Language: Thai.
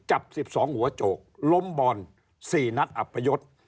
จับสิบสองหัวโจกล้มบอนสี่นัดอัพพยศ